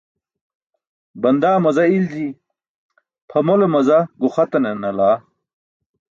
Bandaa maza ilji, phamole maza guxatane nalaa.